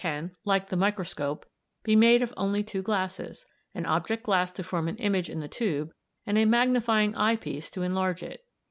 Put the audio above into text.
17) can, like the microscope, be made of only two glasses: an object glass to form an image in the tube and a magnifying eye piece to enlarge it.